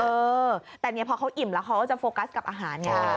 เออแต่พอเขาอิ่มแล้วเขาก็จะโฟกัสกับอาหารอย่างนี้